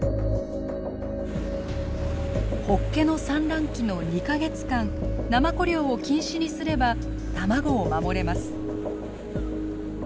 ホッケの産卵期の２か月間ナマコ漁を禁止にすれば卵を守れます。